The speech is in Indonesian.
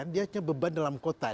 dia punya beban dari kota